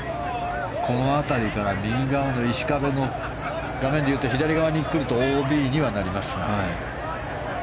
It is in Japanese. この辺りから右側の石壁の画面でいうと左側に来るとＯＢにはなりますが。